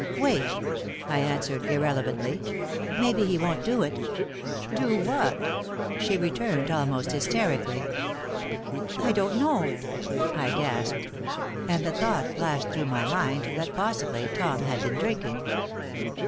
"Wait," I answered, irrelevantly; "maybe he won't do it." "Do what?" she returned, almost hysterically. "I don't know," I gasped; and the thought flashed through my mind that possibly Tom had been drinking.